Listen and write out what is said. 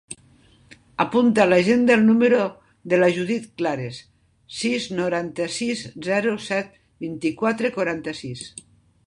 Apunta a l'agenda el número de la Judith Clares: sis, noranta-sis, zero, set, vint-i-quatre, quaranta-sis.